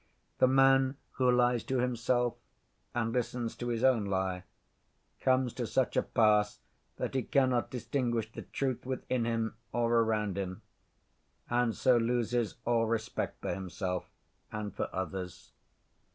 The man who lies to himself and listens to his own lie comes to such a pass that he cannot distinguish the truth within him, or around him, and so loses all respect for himself and for others.